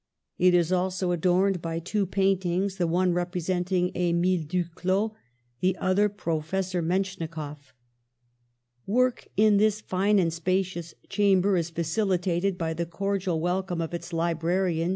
It is also adorned by two paintings, the one representing Emile Duclaux, the other Professor Metchnikoff. Work in this fine and spacious chamber is facilitated by the cordial welcome of its librarian, M.